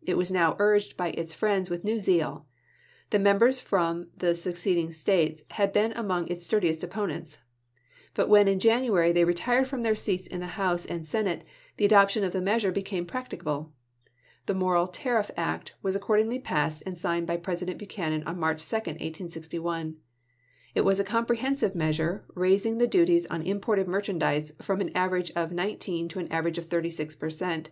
It was now urged by its friends with new zeal. The members from the seceding States had been among its sturdiest opponents ; but when in January they retired from their seats in the House and Senate, the adoption of the measure became practicable. The Morrill Tariff Act was accordingly passed and signed by President Buchanan on March 2, 1861. It was a comprehensive measure, raising the duties on imported merchandise from an average of nine teen to an average of thirty six per cent.